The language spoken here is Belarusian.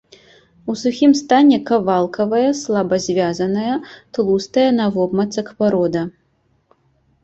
У сухім стане кавалкавая, слаба звязаная, тлустая навобмацак парода.